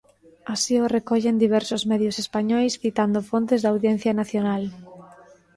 Así o recollen diversos medios españois citando fontes da Audiencia Nacional.